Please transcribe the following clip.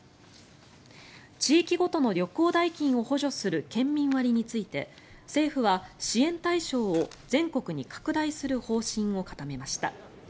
地域ごとの旅行代金を補助する県民割について政府は支援対象を全国に拡大する方針を固めました。